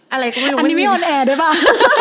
อะไรก็ไม่รู้มันมีอันนี้มีออนแอร์ได้ป่ะ